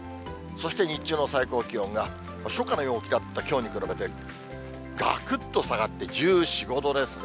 そして日中の最高気温が、初夏の陽気だったきょうに比べて、がくっと下がって１４、５度ですね。